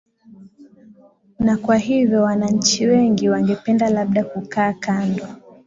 na kwa hivyo wananchi wengi wana wangependa labda kukaa kando